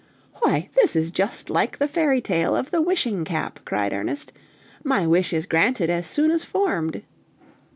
"Why, this is just like the fairy tale of the wishing cap!" cried Ernest. "My wish is granted as soon as formed!"